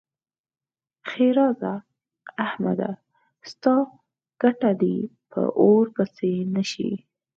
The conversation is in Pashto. ښېرار: احمده! ستا ګټه دې په اور پسې شي.